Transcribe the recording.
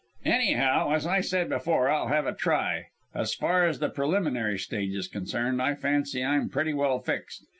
Anyhow as I said before, I'll have a try. As far as the preliminary stage is concerned, I fancy I'm pretty well fixed.